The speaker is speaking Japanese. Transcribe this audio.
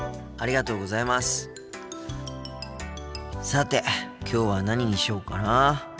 さてきょうは何にしようかなあ。